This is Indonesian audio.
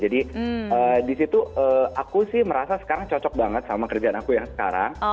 disitu aku sih merasa sekarang cocok banget sama kerjaan aku yang sekarang